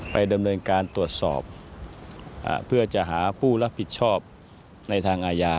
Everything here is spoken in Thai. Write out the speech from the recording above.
ไปดำเนินการตรวจสอบเพื่อจะหาผู้รับผิดชอบในทางอาญา